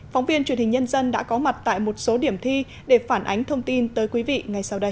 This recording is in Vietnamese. phóng viên truyền hình nhân dân đã có mặt tại một số điểm thi để phản ánh thông tin tới quý vị ngay sau đây